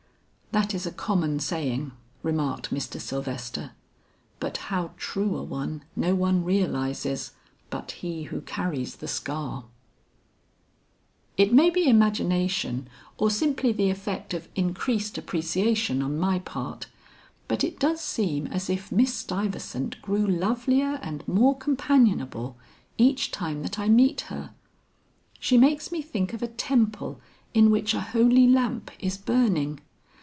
'That is a common saying,' remarked Mr. Sylvester, 'but how true a one no one realizes but he who carries the scar.'" "It may be imagination or simply the effect of increased appreciation on my part, but it does seem as if Miss Stuyvesant grew lovelier and more companionable each time that I meet her. She makes me think of a temple in which a holy lamp is burning.